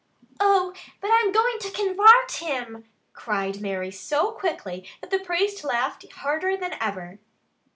"Oh, but I'm going to convart him!" cried Mary so quickly that the priest laughed harder than ever.